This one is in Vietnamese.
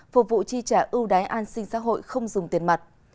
phục vụ chi trả ưu đái an sinh xã hội không dùng tiền mặt